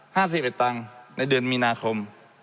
ห้าสิบเอ็ดตังค์ในเดือนมีนาคม